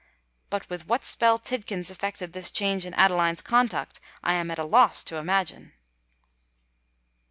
But with what spell Tidkins effected this change in Adeline's conduct, I am at a loss to imagine!"